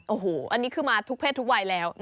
โอ้โหอันนี้คือมาทุกเพศทุกวัยแล้ว